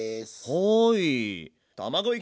はい！